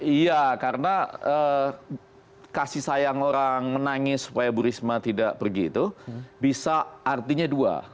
iya karena kasih sayang orang menangis supaya bu risma tidak pergi itu bisa artinya dua